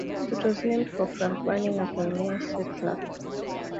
It was named for Frank Bruning, a pioneer settler.